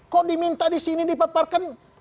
kok diminta di sini dipaparkan